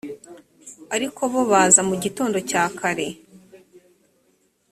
ariko bo baza mu gitondo cya kare